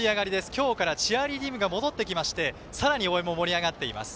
今日からチアリーダーも戻ってきましてさらに応援も盛り上がっています。